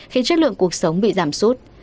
khiến chất lượng cuộc sống bị giảm sút